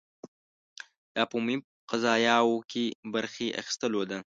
دا په عمومي قضایاوو کې برخې اخیستلو ده.